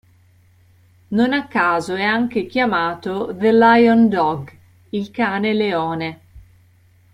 Non a caso è anche chiamato "The Lion Dog": Il cane leone.